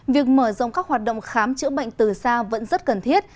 việc mở rộng các hoạt động khám chữa bệnh từ xa vẫn rất cần thiết